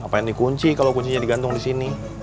ngapain dikunci kalau kuncinya digantung di sini